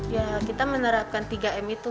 ya kita menerapkan tiga m itu